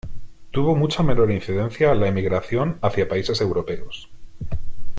Tuvo mucha menor incidencia la emigración hacia países europeos.